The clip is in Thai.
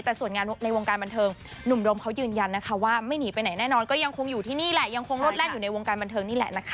แต่ส่วนงานในวงการบันเทิงหนุ่มโดมเขายืนยันนะคะว่าไม่หนีไปไหนแน่นอนก็ยังคงอยู่ที่นี่แหละยังคงลดแล่นอยู่ในวงการบันเทิงนี่แหละนะคะ